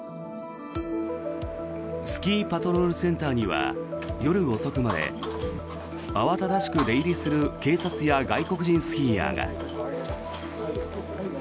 スキーパトロールセンターには夜遅くまで慌ただしく出入りする警察や外国人スキーヤーが。